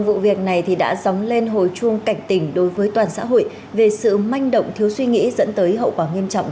vụ việc này đã dóng lên hồi chuông cảnh tỉnh đối với toàn xã hội về sự manh động thiếu suy nghĩ dẫn tới hậu quả nghiêm trọng